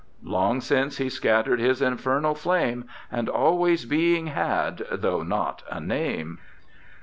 Long since he scatter'd his infernal flame, And always being had, though not a name.